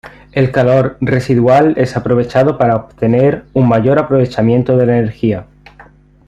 El calor residual es aprovechado para obtener un mayor aprovechamiento de la energía.